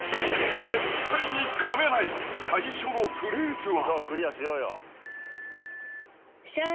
［絶対にかめない最初のフレーズは］